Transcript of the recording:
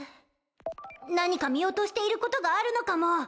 何か見落としていることがあるのかも。